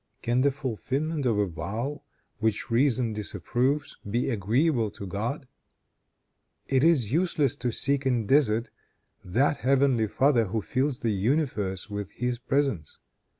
Can the fulfillment of a vow which reason disapproves, be agreeable to God? It is useless to seek in deserts that heavenly Father who fills the universe with his presence.